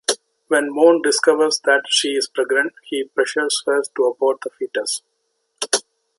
When Morn discovers that she is pregnant, he pressures her to abort the fetus.